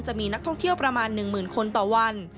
จะมีนักท่องเที่ยวประมาณ๑๐๐๐คนต่อวัน